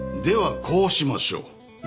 ではこうしましょう。